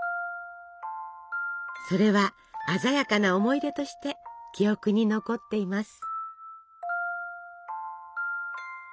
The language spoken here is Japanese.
それは鮮やかな思い出として記憶に残っています。